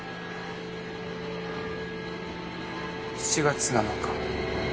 ７月７日。